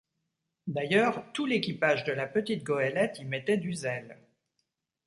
D’ailleurs, tout l’équipage de la petite goëlette y mettait du zèle.